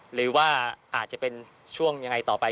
หรือว่าอาจจะเป็นช่วงยังไงต่อไป